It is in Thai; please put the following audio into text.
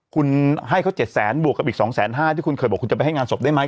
คุณให้เขา๗แสนบวกกับอีก๒๕๐๐ที่คุณเคยบอกคุณจะไปให้งานศพได้ไหม